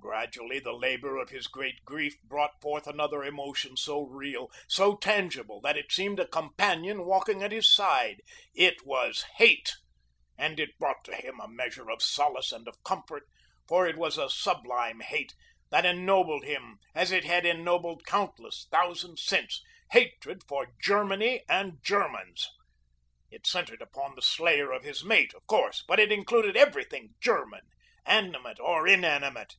Gradually the labor of his great grief brought forth another emotion so real, so tangible, that it seemed a companion walking at his side. It was Hate and it brought to him a measure of solace and of comfort, for it was a sublime hate that ennobled him as it has ennobled countless thousands since hatred for Germany and Germans. It centered about the slayer of his mate, of course; but it included everything German, animate or inanimate.